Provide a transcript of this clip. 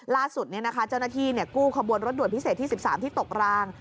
ล่าสุดเจ้านาทีกู้คบวนรถด่วนที่๑๓ที่ตกราง